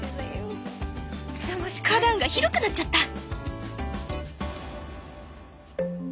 花壇が広くなっちゃった！